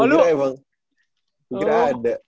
oh lu gak ada